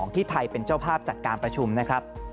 ที่ไทยเป็นเจ้าภาพจัดการประชุมนะครับ